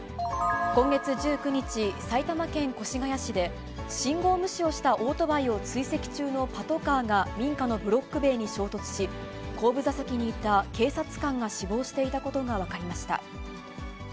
今月１９日、埼玉県越谷市で、信号無視をしたオートバイを追跡中のパトカーが民家のブロック塀に衝突し、後部座席にいた警察官が死亡していたことが分かりました。